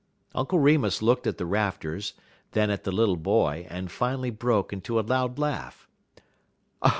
Uncle Remus looked at the rafters, then at the little boy, and finally broke into a loud laugh.